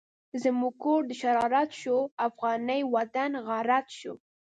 زمونږ کور دشرارت شو، افغانی وطن غارت شو